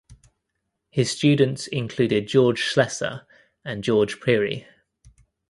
His students included George Slessor and George Pirie.